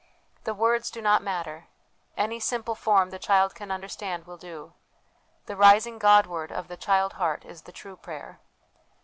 The words do not matter; any simple form the child can understand will do ; the rising Godward of the child heart is the true prayer.